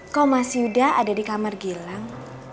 kau masih udah ada di kamar gilang